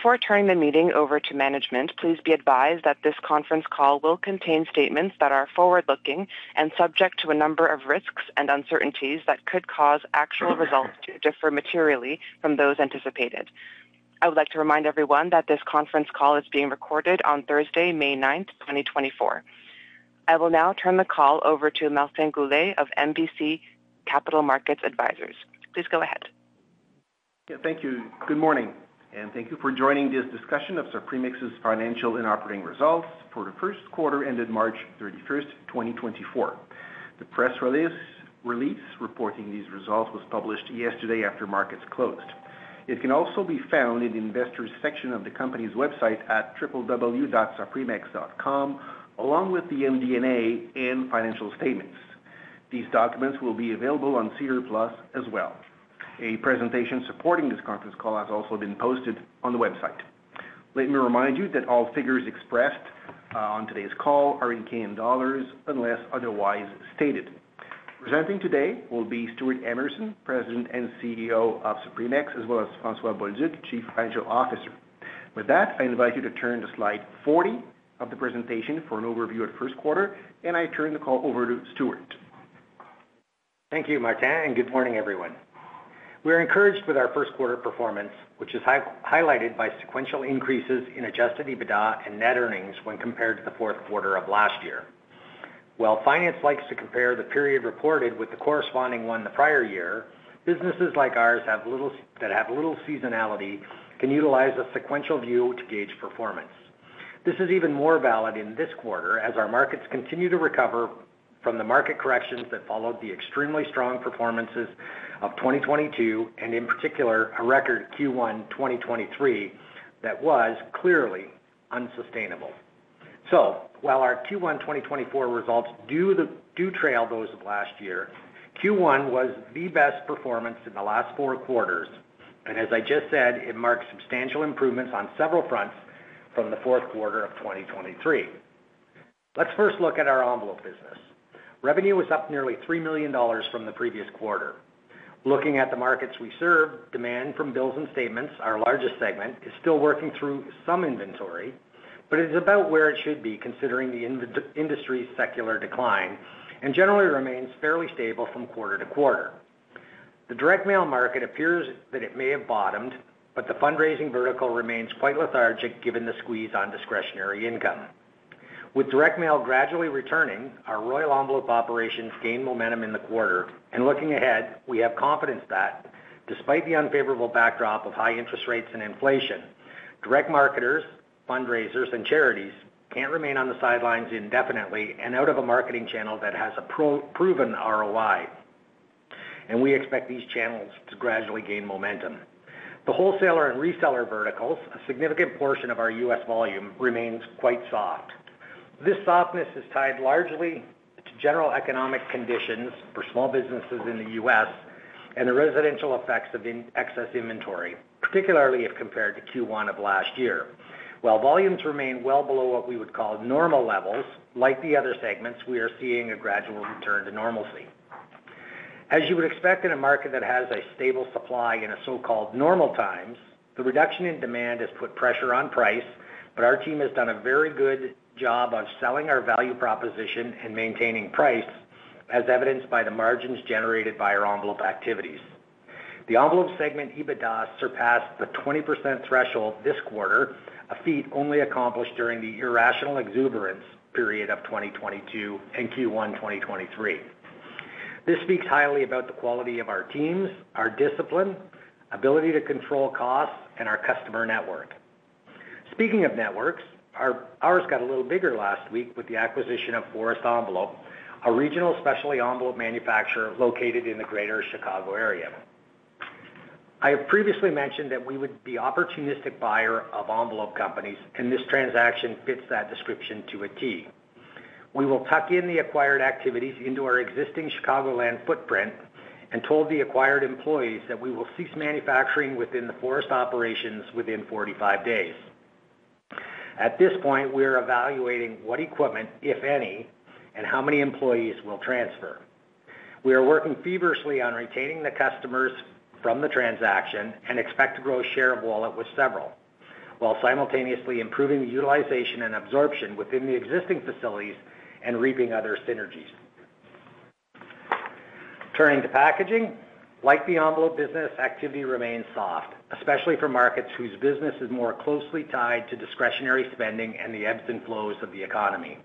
Before turning the meeting over to management, please be advised that this conference call will contain statements that are forward-looking and subject to a number of risks and uncertainties that could cause actual results to differ materially from those anticipated. I would like to remind everyone that this conference call is being recorded on Thursday, May 9th, 2024. I will now turn the call over to Martin Goulet of MBC Capital Markets Advisors. Please go ahead. Yeah, thank you. Good morning, and thank you for joining this discussion of Supremex's financial and operating results for the first quarter ended March 31, 2024. The press release reporting these results was published yesterday after markets closed. It can also be found in the investors section of the company's website at www.supremex.com, along with the MD&A and financial statements. These documents will be available on SEDAR+ as well. A presentation supporting this conference call has also been posted on the website. Let me remind you that all figures expressed on today's call are in Canadian dollars, unless otherwise stated. Presenting today will be Stewart Emerson, President and CEO of Supremex, as well as François Bolduc, Chief Financial Officer. With that, I invite you to turn to slide 40 of the presentation for an overview of the first quarter, and I turn the call over to Stewart. Thank you, Martin, and good morning, everyone. We are encouraged with our first quarter performance, which is highlighted by sequential increases in adjusted EBITDA and net earnings when compared to the fourth quarter of last year. While finance likes to compare the period reported with the corresponding one of the prior year, businesses like ours that have little seasonality can utilize a sequential view to gauge performance. This is even more valid in this quarter as our markets continue to recover from the market corrections that followed the extremely strong performances of 2022, and in particular, a record Q1 2023, that was clearly unsustainable. So while our Q1 2024 results do trail those of last year, Q1 was the best performance in the last four quarters, and as I just said, it marks substantial improvements on several fronts from the fourth quarter of 2023. Let's first look at our envelope business. Revenue was up nearly 3 million dollars from the previous quarter. Looking at the markets we serve, demand from bills and statements, our largest segment, is still working through some inventory, but it is about where it should be considering the industry's secular decline and generally remains fairly stable from quarter to quarter. The direct mail market appears that it may have bottomed, but the fundraising vertical remains quite lethargic given the squeeze on discretionary income. With direct mail gradually returning, our Royal Envelope operations gained momentum in the quarter, and looking ahead, we have confidence that despite the unfavorable backdrop of high interest rates and inflation, direct marketers, fundraisers, and charities can't remain on the sidelines indefinitely and out of a marketing channel that has a proven ROI, and we expect these channels to gradually gain momentum. The wholesaler and reseller verticals, a significant portion of our U.S. volume, remains quite soft. This softness is tied largely to general economic conditions for small businesses in the U.S. and the residential effects of in excess inventory, particularly if compared to Q1 of last year. While volumes remain well below what we would call normal levels, like the other segments, we are seeing a gradual return to normalcy. As you would expect in a market that has a stable supply in a so-called normal times, the reduction in demand has put pressure on price, but our team has done a very good job of selling our value proposition and maintaining price, as evidenced by the margins generated by our envelope activities. The envelope segment, EBITDA, surpassed the 20% threshold this quarter, a feat only accomplished during the irrational exuberance period of 2022 and Q1, 2023. This speaks highly about the quality of our teams, our discipline, ability to control costs, and our customer network. Speaking of networks, our, ours got a little bigger last week with the acquisition of Forest Envelope, a regional specialty envelope manufacturer located in the greater Chicago area. I have previously mentioned that we would be opportunistic buyer of envelope companies, and this transaction fits that description to a T. We will tuck in the acquired activities into our existing Chicagoland footprint and told the acquired employees that we will cease manufacturing within the Forest operations within 45 days. At this point, we are evaluating what equipment, if any, and how many employees will transfer. We are working feverishly on retaining the customers from the transaction and expect to grow share of wallet with several, while simultaneously improving the utilization and absorption within the existing facilities and reaping other synergies. Turning to packaging, like the envelope business, activity remains soft, especially for markets whose business is more closely tied to discretionary spending and the ebbs and flows of the economy.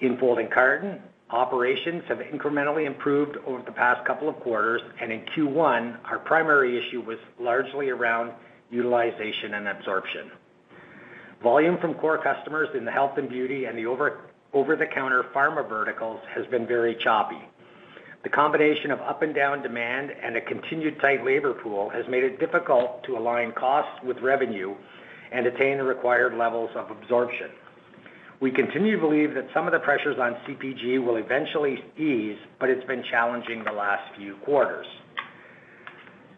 In folding carton, operations have incrementally improved over the past couple of quarters, and in Q1, our primary issue was largely around utilization and absorption. Volume from core customers in the health and beauty and the over-the-counter pharma verticals has been very choppy. The combination of up and down demand and a continued tight labor pool has made it difficult to align costs with revenue and attain the required levels of absorption. We continue to believe that some of the pressures on CPG will eventually ease, but it's been challenging the last few quarters.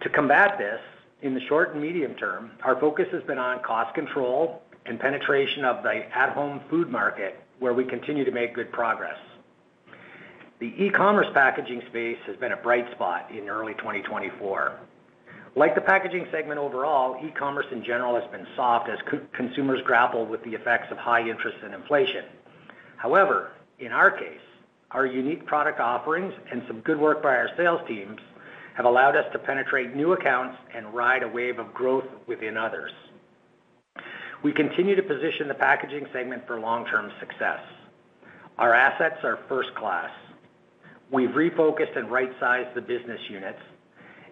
To combat this, in the short and medium term, our focus has been on cost control and penetration of the at-home food market, where we continue to make good progress. The e-commerce packaging space has been a bright spot in early 2024. Like the packaging segment overall, e-commerce in general has been soft as consumers grapple with the effects of high interest and inflation. However, in our case, our unique product offerings and some good work by our sales teams, have allowed us to penetrate new accounts and ride a wave of growth within others. We continue to position the packaging segment for long-term success. Our assets are first class. We've refocused and right-sized the business units,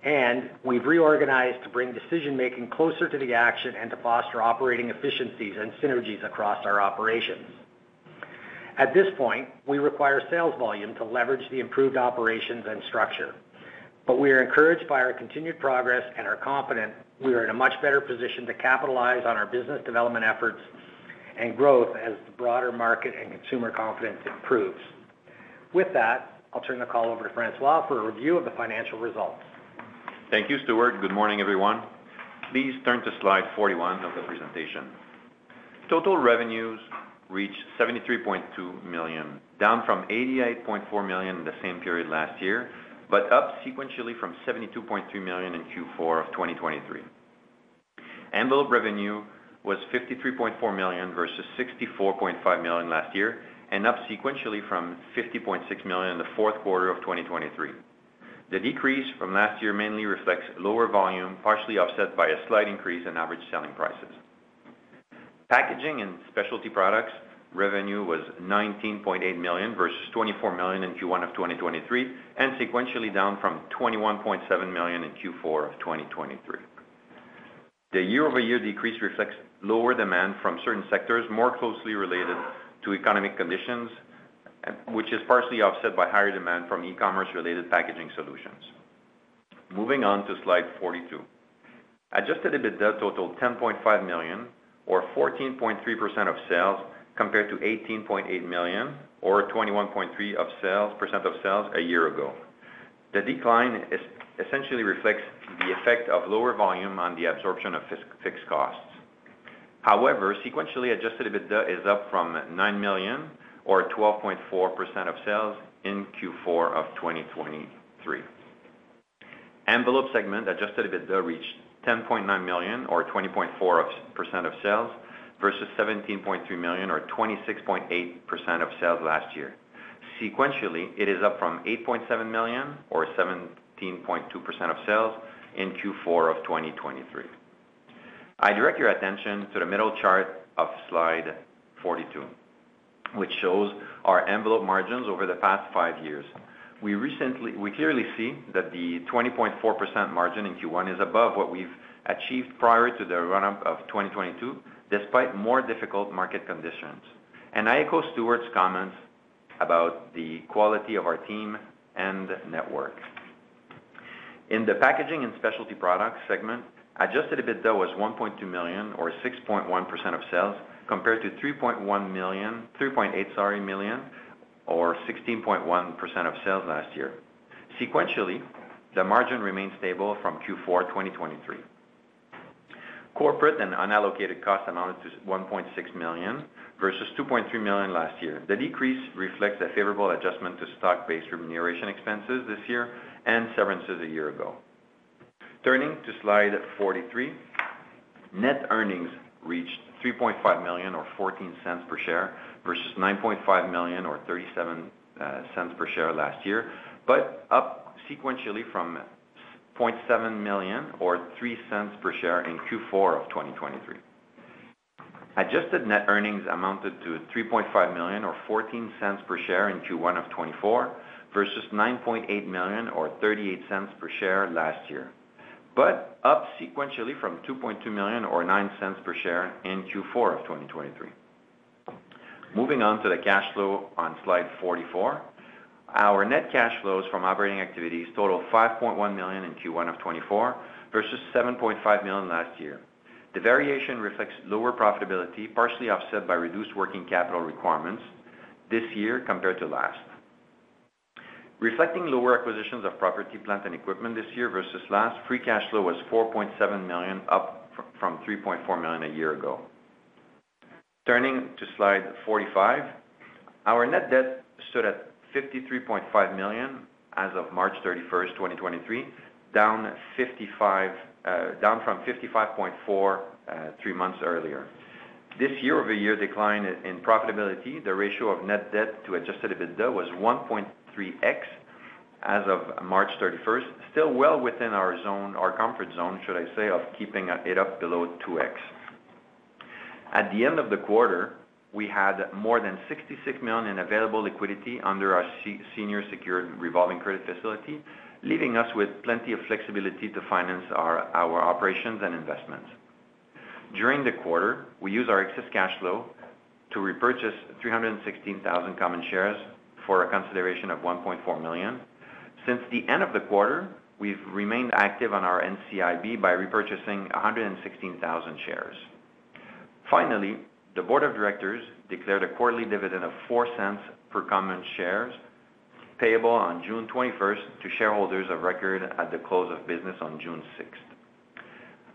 and we've reorganized to bring decision-making closer to the action and to foster operating efficiencies and synergies across our operations. At this point, we require sales volume to leverage the improved operations and structure, but we are encouraged by our continued progress and are confident we are in a much better position to capitalize on our business development efforts and growth as the broader market and consumer confidence improves. With that, I'll turn the call over to François for a review of the financial results. Thank you, Stewart. Good morning, everyone. Please turn to slide 41 of the presentation. Total revenues reached 73.2 million, down from 88.4 million in the same period last year, but up sequentially from 72.2 million in Q4 of 2023. Envelope revenue was 53.4 million versus 64.5 million last year, and up sequentially from 50.6 million in the fourth quarter of 2023. The decrease from last year mainly reflects lower volume, partially offset by a slight increase in average selling prices. Packaging and specialty products revenue was 19.8 million versus 24 million in Q1 of 2023, and sequentially down from 21.7 million in Q4 of 2023. The year-over-year decrease reflects lower demand from certain sectors, more closely related to economic conditions, which is partially offset by higher demand from e-commerce-related packaging solutions. Moving on to slide 42. Adjusted EBITDA totaled 10.5 million or 14.3% of sales, compared to 18.8 million or 21.3% of sales a year ago. The decline essentially reflects the effect of lower volume on the absorption of fixed costs. However, sequentially, adjusted EBITDA is up from 9 million or 12.4% of sales in Q4 of 2023. Envelope segment, adjusted EBITDA reached 10.9 million or 20.4% of sales, versus 17.3 million or 26.8% of sales last year. Sequentially, it is up from 8.7 million or 17.2% of sales in Q4 of 2023. I direct your attention to the middle chart of slide 42, which shows our envelope margins over the past five years. We clearly see that the 20.4% margin in Q1 is above what we've achieved prior to the run-up of 2022, despite more difficult market conditions. And I echo Stewart's comments about the quality of our team and network. In the packaging and specialty products segment, Adjusted EBITDA was 1.2 million or 6.1% of sales, compared to 3.1 million... 3.8 million, sorry, or 16.1% of sales last year. Sequentially, the margin remained stable from Q4, 2023. Corporate and unallocated costs amounted to 1.6 million versus 2.3 million last year. The decrease reflects a favorable adjustment to stock-based remuneration expenses this year and severances a year ago. Turning to slide 43, net earnings reached 3.5 million or 0.14 per share, versus 9.5 million or 0.37 per share last year, but up sequentially from 0.7 million or 0.03 per share in Q4 of 2023. Adjusted net earnings amounted to 3.5 million or 0.14 per share in Q1 of 2024, versus 9.8 million or 0.38 per share last year, but up sequentially from 2.2 million or 0.09 per share in Q4 of 2023. Moving on to the cash flow on slide 44. Our net cash flows from operating activities totaled 5.1 million in Q1 of 2024 versus 7.5 million last year. The variation reflects lower profitability, partially offset by reduced working capital requirements this year compared to last. Reflecting lower acquisitions of property, plant, and equipment this year versus last, free cash flow was 4.7 million, up from 3.4 million a year ago. Turning to slide 45, our net debt stood at 53.5 million as of March 31, 2023, down from 55.4 million three months earlier. This year-over-year decline in profitability, the ratio of net debt to adjusted EBITDA, was 1.3x as of March 31, still well within our zone, our comfort zone, should I say, of keeping it up below 2x. At the end of the quarter, we had more than 66 million in available liquidity under our senior secured revolving credit facility, leaving us with plenty of flexibility to finance our operations and investments. During the quarter, we used our excess cash flow to repurchase 316,000 common shares for a consideration of 1.4 million. Since the end of the quarter, we've remained active on our NCIB by repurchasing 116,000 shares. Finally, the board of directors declared a quarterly dividend of 0.04 per common shares, payable on June 21st to shareholders of record at the close of business on June sixth.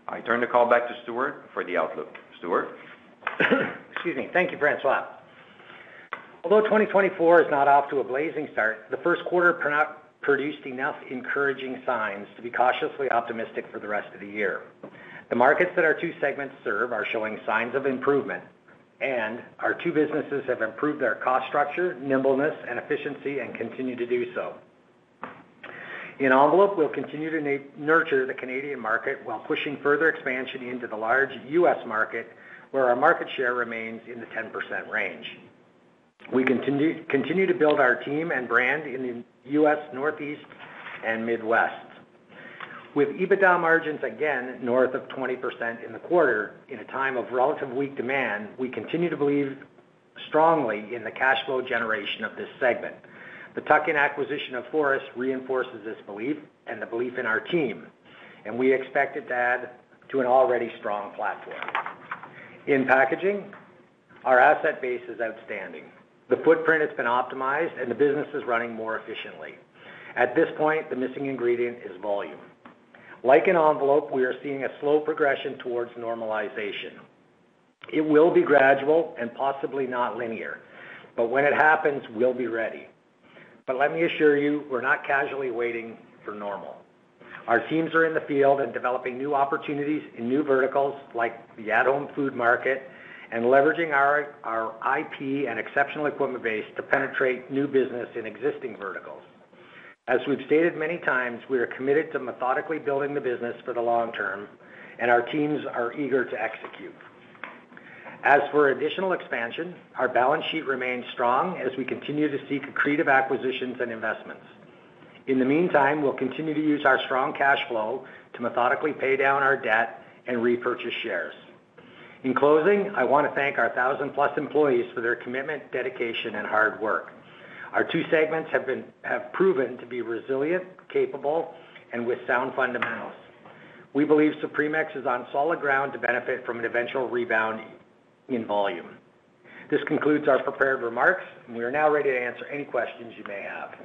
I turn the call back to Stewart for the outlook. Stewart? Excuse me. Thank you, François. Although 2024 is not off to a blazing start, the first quarter produced enough encouraging signs to be cautiously optimistic for the rest of the year. The markets that our two segments serve are showing signs of improvement, and our two businesses have improved their cost structure, nimbleness, and efficiency, and continue to do so. In envelope, we'll continue to nurture the Canadian market while pushing further expansion into the large U.S. market, where our market share remains in the 10% range. We continue to build our team and brand in the U.S. Northeast and Midwest. With EBITDA margins again north of 20% in the quarter, in a time of relative weak demand, we continue to believe strongly in the cash flow generation of this segment. The tuck-in acquisition of Forest reinforces this belief and the belief in our team, and we expect it to add to an already strong platform. In packaging, our asset base is outstanding. The footprint has been optimized, and the business is running more efficiently. At this point, the missing ingredient is volume. Like in envelope, we are seeing a slow progression towards normalization. It will be gradual and possibly not linear, but when it happens, we'll be ready. But let me assure you, we're not casually waiting for normal. Our teams are in the field and developing new opportunities in new verticals, like the at-home food market, and leveraging our, our IP and exceptional equipment base to penetrate new business in existing verticals. As we've stated many times, we are committed to methodically building the business for the long term, and our teams are eager to execute. As for additional expansion, our balance sheet remains strong as we continue to seek accretive acquisitions and investments. In the meantime, we'll continue to use our strong cash flow to methodically pay down our debt and repurchase shares. In closing, I want to thank our 1,000+ employees for their commitment, dedication, and hard work. Our two segments have proven to be resilient, capable, and with sound fundamentals. We believe Supremex is on solid ground to benefit from an eventual rebound in volume. This concludes our prepared remarks, and we are now ready to answer any questions you may have.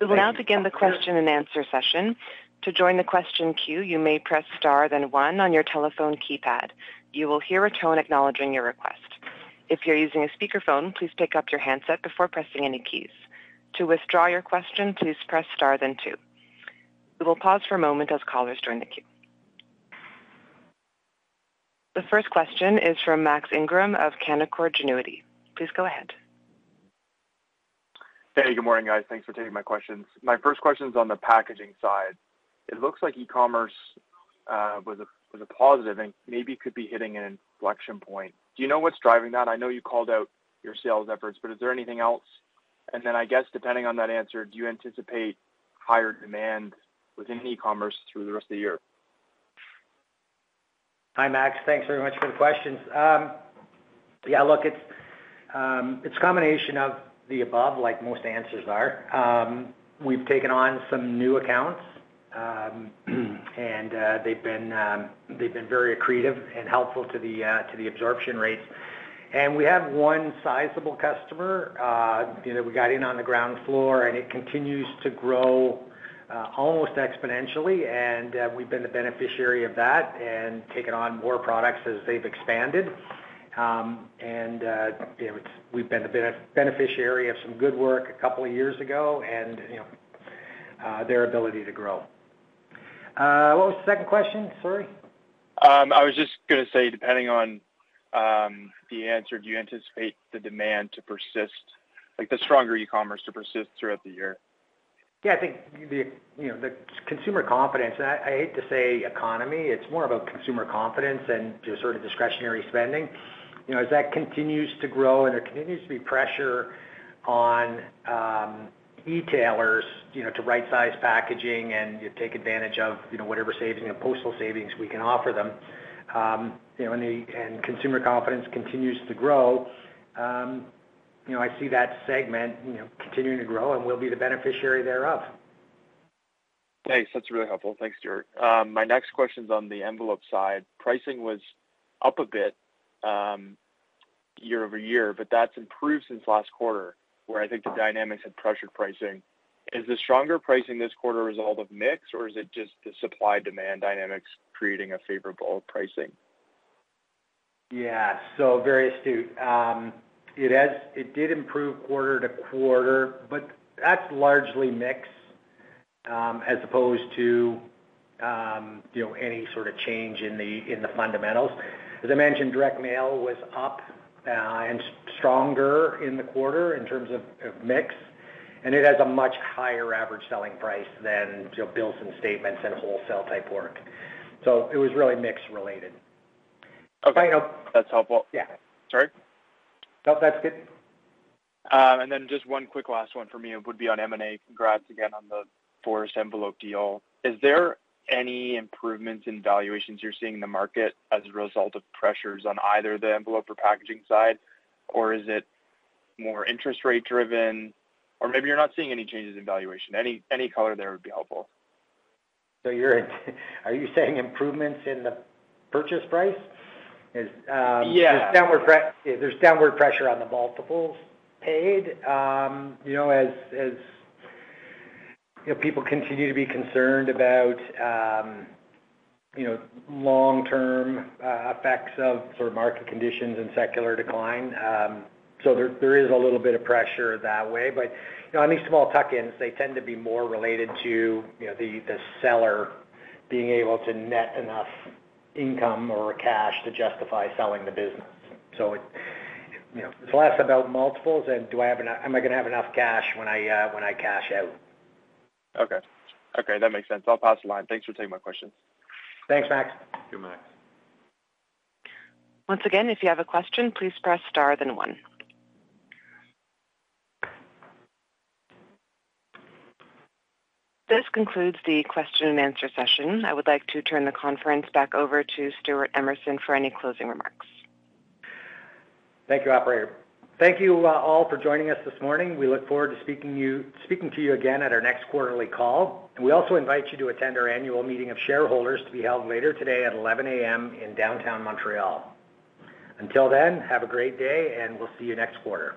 We will now begin the question-and-answer session. To join the question queue, you may press star, then one on your telephone keypad. You will hear a tone acknowledging your request. If you're using a speakerphone, please pick up your handset before pressing any keys. To withdraw your question, please press star, then two. We will pause for a moment as callers join the queue. The first question is from Max Ingram of Canaccord Genuity. Please go ahead. Hey, good morning, guys. Thanks for taking my questions. My first question is on the packaging side. It looks like e-commerce was a positive and maybe could be hitting an inflection point. Do you know what's driving that? I know you called out your sales efforts, but is there anything else? And then, I guess, depending on that answer, do you anticipate higher demand within e-commerce through the rest of the year? Hi, Max. Thanks very much for the questions. Yeah, look, it's a combination of the above, like most answers are. We've taken on some new accounts, and they've been very accretive and helpful to the absorption rates. And we have one sizable customer, you know, we got in on the ground floor, and it continues to grow almost exponentially, and we've been the beneficiary of that and taken on more products as they've expanded. And you know, we've been the beneficiary of some good work a couple of years ago and, you know, their ability to grow. What was the second question? Sorry. I was just gonna say, depending on, the answer, do you anticipate the demand to persist, like, the stronger e-commerce to persist throughout the year? Yeah, I think the, you know, the consumer confidence, and I hate to say economy, it's more about consumer confidence and just sort of discretionary spending. You know, as that continues to grow and there continues to be pressure on e-tailers, you know, to right-size packaging and you take advantage of, you know, whatever savings and postal savings we can offer them, you know, and consumer confidence continues to grow, you know, I see that segment, you know, continuing to grow, and we'll be the beneficiary thereof. Thanks. That's really helpful. Thanks, Stewart. My next question is on the envelope side. Pricing was up a bit, year-over-year, but that's improved since last quarter, where I think the dynamics had pressured pricing. Is the stronger pricing this quarter a result of mix, or is it just the supply-demand dynamics creating a favorable pricing? Yeah, so very astute. It has, it did improve quarter to quarter, but that's largely mix, as opposed to, you know, any sort of change in the fundamentals. As I mentioned, direct mail was up, and stronger in the quarter in terms of mix, and it has a much higher average selling price than, you know, bills and statements and wholesale type work. So it was really mix related. Okay. But, you know- That's helpful. Yeah. Sorry? No, that's good. And then just one quick last one for me would be on M&A. Congrats again on the Forest Envelope deal. Is there any improvements in valuations you're seeing in the market as a result of pressures on either the envelope or packaging side? Or is it more interest rate driven? Or maybe you're not seeing any changes in valuation. Any, any color there would be helpful. So you're... Are you saying improvements in the purchase price? Is- Yeah. There's downward pressure on the multiples paid, you know, as, as, you know, people continue to be concerned about, you know, long-term effects of sort of market conditions and secular decline. So there is a little bit of pressure that way, but, you know, on these small tuck-ins, they tend to be more related to, you know, the, the seller being able to net enough income or cash to justify selling the business. So it, you know, it's less about multiples and do I have enough-- am I gonna have enough cash when I, when I cash out? Okay. Okay, that makes sense. I'll pass the line. Thanks for taking my questions. Thanks, Max. Thank you, Max. Once again, if you have a question, please press star, then one. This concludes the question-and-answer session. I would like to turn the conference back over to Stewart Emerson for any closing remarks. Thank you, operator. Thank you, all for joining us this morning. We look forward to speaking to you again at our next quarterly call, and we also invite you to attend our annual meeting of shareholders to be held later today at 11:00 A.M. in downtown Montreal. Until then, have a great day, and we'll see you next quarter.